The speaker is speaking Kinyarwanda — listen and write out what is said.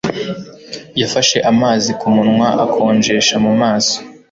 Yafashe amazi kumunwa akonjesha mu maso